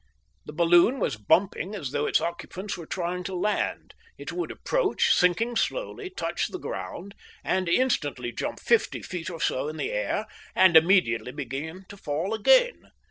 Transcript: The balloon was bumping as though its occupants were trying to land; it would approach, sinking slowly, touch the ground, and instantly jump fifty feet or so in the air and immediately begin to fall again.